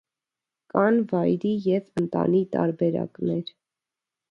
Կան վայրի և ընտանի տարբերակներ։